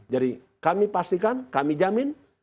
jadi kami pastikan kami jamin